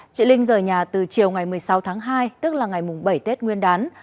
chị linh rời nhà từ chiều ngày một mươi sáu tháng hai tức là ngày bảy tết nguyên đán